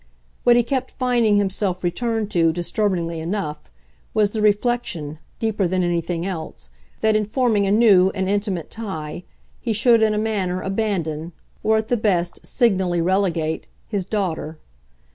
What he kept finding himself return to, disturbingly enough, was the reflection, deeper than anything else, that in forming a new and intimate tie he should in a manner abandon, or at the best signally relegate, his daughter.